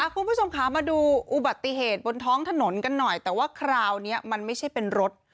คุณผู้ชมค่ะมาดูอุบัติเหตุบนท้องถนนกันหน่อยแต่ว่าคราวนี้มันไม่ใช่เป็นรถ